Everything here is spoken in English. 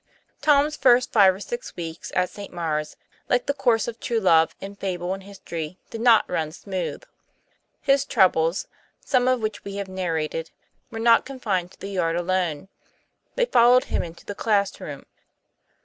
TOM'S first five or six weeks at St. Maure's, like the course of true love in fable and history, did not run smooth. His troubles, some of which we have narrated, were not confined to the yard alone. They followed him into the class room.